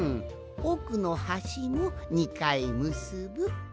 おくのはしも２かいむすぶ。